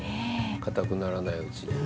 固くならないうちに。